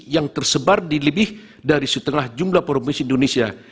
yang tersebar di lebih dari setengah jumlah provinsi indonesia